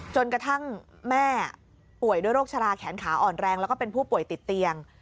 จนกระทั่งแม่ป่วยด้วยโรคชะลาแขนขาอ่อนแรงแล้วก็เป็นผู้ป่วยติดเตียง